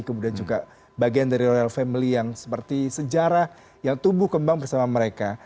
kemudian juga bagian dari royal family yang seperti sejarah yang tumbuh kembang bersama mereka